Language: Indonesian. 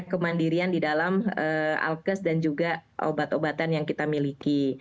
kemandirian di dalam alkes dan juga obat obatan yang kita miliki